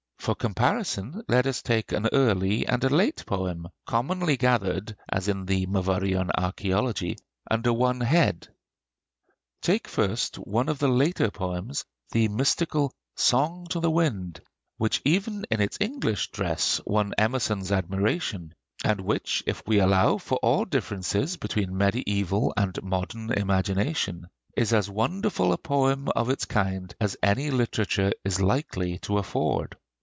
For comparison let us take an early and a late poem, commonly gathered, as in the 'Myvyrian Archæology,' under one head. Take first one of the later poems, the mystical 'Song to the Wind,' which even in its English dress won Emerson's admiration, and which, if we allow for all differences between mediæval and modern imagination, is as wonderful a poem of its kind as any literature is likely to afford.